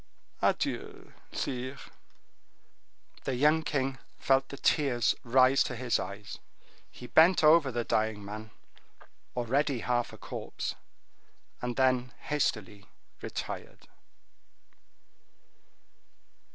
Adieu, sire!" The young king felt the tears rise to his eyes; he bent over the dying man, already half a corpse, and then hastily retired.